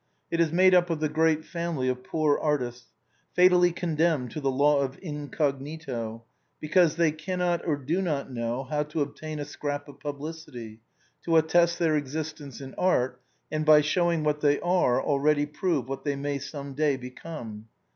It is made up of the great family of poor artists, fatally condemned to the law of incognito, because they cannot or do not know how to obtain a scrap of publicity, to attest their existence in art, and by showing what they are already prove what they may some day become.